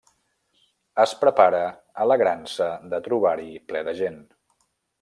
Es prepara, alegrant-se de trobar-hi ple de gent.